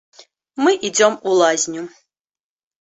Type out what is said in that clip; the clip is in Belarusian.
Мы ідзём у лазню!